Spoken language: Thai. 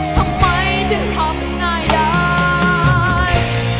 ทำไมถึงทำง่ายได้